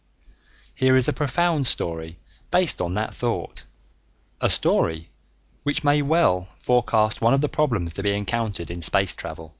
Here is a profound story based on that thought a story which may well forecast one of the problems to be encountered in space travel.